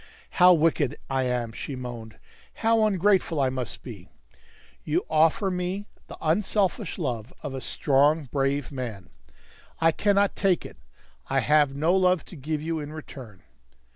"How wicked I am!" she moaned. "How ungrateful I must be! You offer me the unselfish love of a strong, brave man. I cannot take it. I have no love to give you in return."